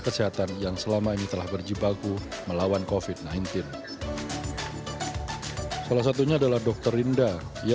kesehatan yang selama ini telah berjibaku melawan kofit sembilan belas salah satunya adalah dokter rinda yang